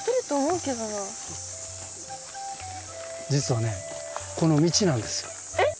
実はねこの道なんですよ。えっ？